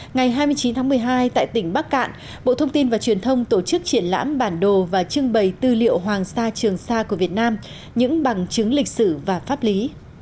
ngày hai mươi chín tháng một mươi hai tại tỉnh bắc cạn bộ thông tin và truyền thông tổ chức triển lãm bản đồ và trưng bày tư liệu hoàng sa trường sa của việt nam những bằng chứng lịch sử và pháp lý